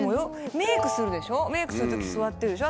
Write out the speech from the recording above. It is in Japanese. メイクするとき座ってるでしょ。